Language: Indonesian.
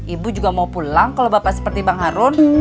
ibu juga mau pulang kalau bapak seperti bang harun